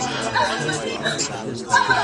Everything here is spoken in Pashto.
زه له سهاره لوښي وچوم؟